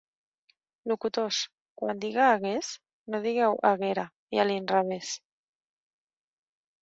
Locutors, quan diga 'hagués' no digueu 'haguera', i a l'inrevès.